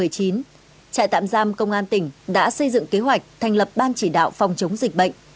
trại tạm giam công an tỉnh đã xây dựng kế hoạch thành lập ban chỉ đạo phòng chống dịch bệnh